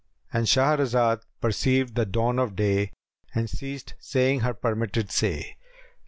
'"—And Shahrazad perceived the dawn of day and ceased saying her permitted say.